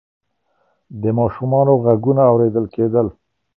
د ماشومانو غږونه اورېدل کېدل.